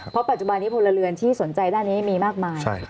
เพราะปัจจุบันนี้พลเรือนที่สนใจด้านนี้มีมากมาย